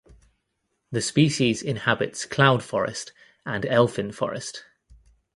The species inhabits cloud forest and elfin forest.